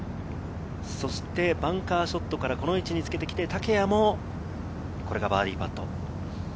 バンカーショットからこの位置につけてきて、竹谷もこれがバーディーパット。